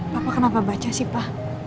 papa kenapa baca sih pa